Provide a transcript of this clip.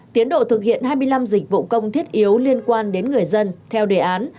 tiến độ thực hiện hai mươi năm dịch vụ công thiết yếu liên quan đến người dân theo đề án